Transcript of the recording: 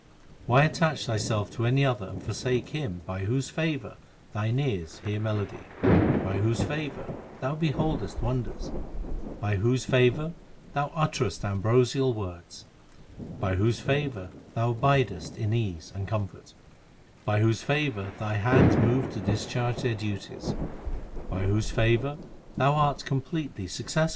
6 Why attach thyself to any other and forsake Him By whose favour thine ears hear melody, By whose favour thou beholdest wonders, By whose favour thou utterest ambrosial words, By whose favour thou abidest in ease and comfort, By whose favour thy hands move to discharge 2 their duties, By whose favour thou art completely successful, 1 Human birth.